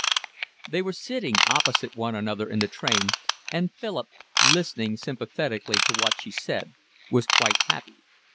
They were sitting opposite one another in the train, and Philip, listening sympathetically to what she said, was quite happy.